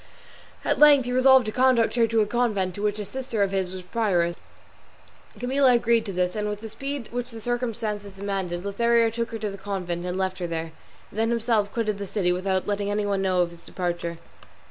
At length he resolved to conduct her to a convent of which a sister of his was prioress; Camilla agreed to this, and with the speed which the circumstances demanded, Lothario took her to the convent and left her there, and then himself quitted the city without letting anyone know of his departure.